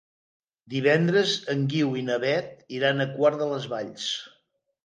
Divendres en Guiu i na Beth iran a Quart de les Valls.